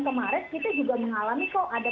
kemarin kita juga mengalami kok ada